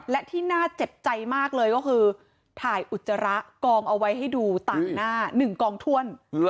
และที่น่าเจ็บใจมากเลยก็คือถ่ายอุจจาระกองเอาไว้ให้ดูต่างหน้า๑กองถ้วน